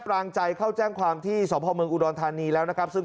รางใจเข้าแจ้งความที่สพเมืองอุดรธานีแล้วนะครับซึ่ง